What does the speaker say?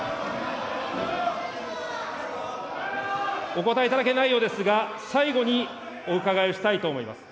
お答えいただけないようですが、最後にお伺いをしたいと思います。